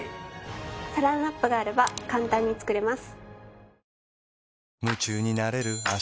サランラップがあれば簡単に作れます。